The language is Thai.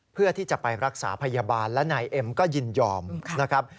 เพื่อที่จะไปรักษาพยาบาลและนายเอ็มก็ยินยอมนะครับ